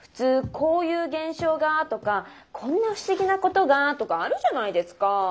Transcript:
「こういう現象がー」とか「こんな不思議なことがー」とかあるじゃないですかぁ。